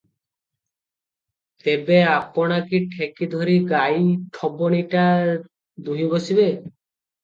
ତେବେ ଆପଣା କି ଠେକି ଧରି ଗାଈ ଥୋବଣିଟା ଦୁହିଁ ବସିବେ?